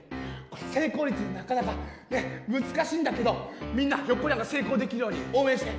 これ成功率がなかなかねっ難しいんだけどみんなひょっこりはんが成功できるように応援して。